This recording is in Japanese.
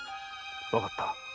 わかった。